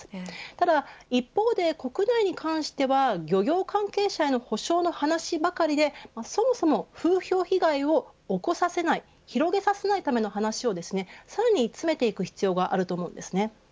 ただ一方で、国内に関しては漁業関係者への補償の話ばかりでそもそも、風評被害を起こさせない広げさせないための話をさらに詰めていく必要があると思います。